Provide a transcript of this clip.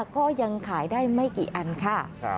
ก็ยังขายถึงไม่กี่อย่างค่ะ